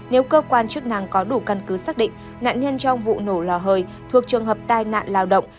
nếu cơ quan chức năng có đủ căn cứ xác định nạn nhân trong vụ nổ lò hơi thuộc trường hợp tai nạn lao động